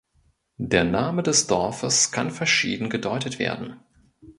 Der Name des Dorfes kann verschieden gedeutet werden.